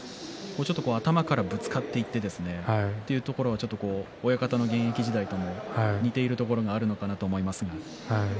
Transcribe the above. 頭からぶつかっていってですねそういうところ親方の現役時代と似ているところがあるのかなと思いますが。